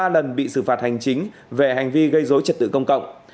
ba lần bị xử phạt hành chính về hành vi gây dối trật tự công cộng